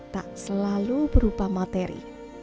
tak selalu berupa materi